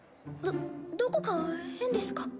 どどこか変ですか？